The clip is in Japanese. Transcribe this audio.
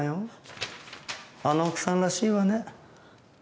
あの奥さんらしいわね。